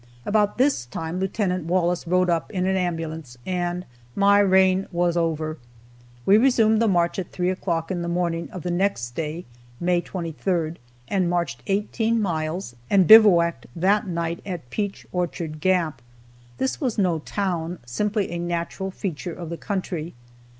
About this time Lieut. Wallace rode up in an ambulance and my reign was over. We resumed the march at 3 o'clock in the morning of the next day (May 23rd), marched 18 miles, and bivouacked that night at Peach Orchard Gap. This was no town, simply a natural feature of the country.